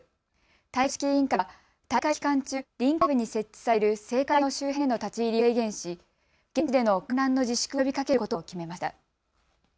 大会組織委員会は大会期間中、臨海部に設置される聖火台の周辺への立ち入りを制限し現地での観覧の自粛を呼びかけることを決めました。